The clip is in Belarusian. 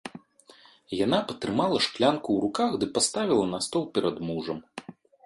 Яна патрымала шклянку ў руках ды паставіла на стол перад мужам.